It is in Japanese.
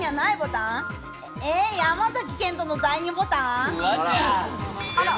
山崎賢人の第２ボタン？